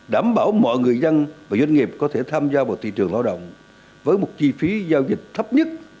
đảm bảo mọi người dân và doanh nghiệp có thể tham gia vào thị trường lao động với một chi phí giao dịch thấp nhất